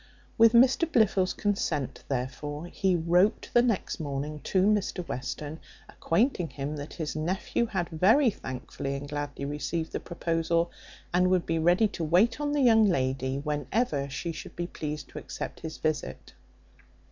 With Mr Blifil's consent therefore he wrote the next morning to Mr Western, acquainting him that his nephew had very thankfully and gladly received the proposal, and would be ready to wait on the young lady, whenever she should be pleased to accept his visit.